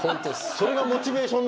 それがモチベーションに？